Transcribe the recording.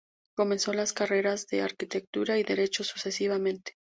Comenzó las carreras de arquitectura y derecho, sucesivamente.